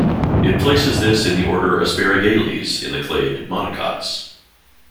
It places this in the order Asparagales, in the clade monocots.